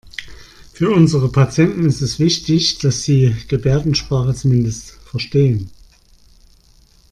Für unsere Patienten ist es wichtig, dass Sie Gebärdensprache zumindest verstehen.